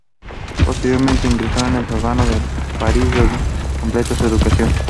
Posteriormente ingresó en la Sorbona de París, deseoso de completar su educación.